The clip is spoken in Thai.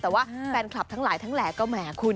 แต่ว่าแฟนคลับทั้งหลายทั้งแหล่ก็แหมคุณ